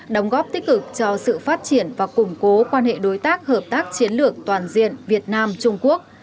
đóng góp tích cực cho sự phát triển và củng cố quan hệ đối tác hợp tác chiến lược toàn diện việt nam trung quốc